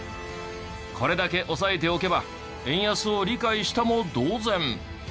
これだけ押さえておけば円安を理解したも同然。